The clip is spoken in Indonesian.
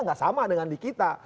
nggak sama dengan di kita